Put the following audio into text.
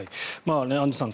アンジュさん